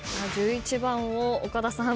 １１番を岡田さん。